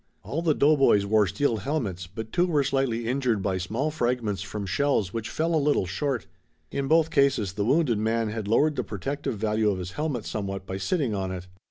All the doughboys wore steel helmets but two were slightly injured by small fragments from shells which fell a little short. In both cases the wounded man had lowered the protective value of his helmet somewhat by sitting on it.